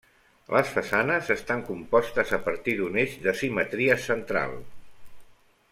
Les façanes estan compostes a partir d'un eix de simetria central.